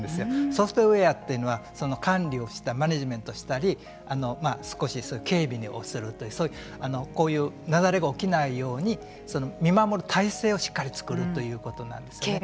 ソフトウエアというのは管理をしたマネジメントしたり少し警備とかこういうなだれが起きないように見守る体制をしっかり作るということなんですよね。